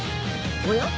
おや？